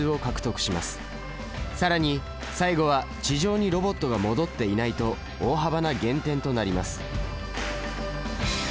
更に最後は地上にロボットが戻っていないと大幅な減点となります。